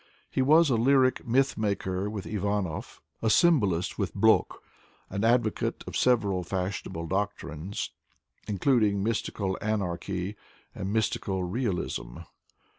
He was a lyric myth maker with Ivanov, a symbolist with Blok, an advocate of several fashionable doctrines, including mystical anarchy and mystical realism.